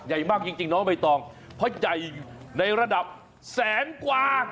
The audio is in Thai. ใหญ่มากจริงน้องใบตองเพราะใหญ่ในระดับแสนกว่า